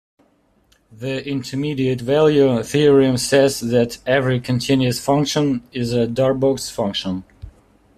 The intermediate value theorem says that every continuous function is a Darboux function.